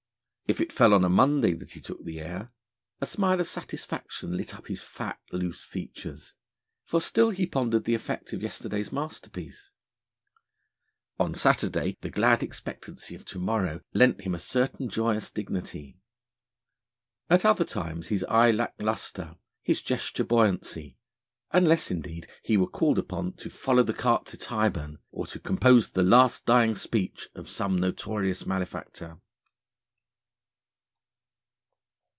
If it fell on a Monday that he took the air, a smile of satisfaction lit up his fat, loose features, for still he pondered the effect of yesterday's masterpiece. On Saturday the glad expectancy of to morrow lent him a certain joyous dignity. At other times his eye lacked lustre, his gesture buoyancy, unless indeed he were called upon to follow the cart to Tyburn, or to compose the Last Dying Speech of some notorious malefactor.